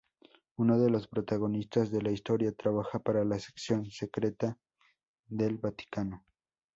Uno de los protagonistas de la historia, trabaja para la sección secreta del Vaticano.